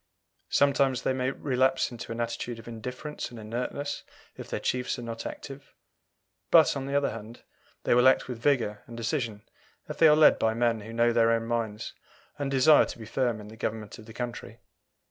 Sometimes they may relapse into an attitude of indifference and inertness if their chiefs are not active; but, on the other hand, they will act with vigour and decision if they are led by men who know their own minds and desire to be firm in the government of the country.